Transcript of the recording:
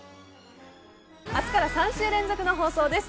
明日から３週連続の放送です。